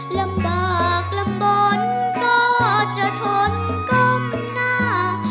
ลำบากลำบลก็จะทนก้มหน้า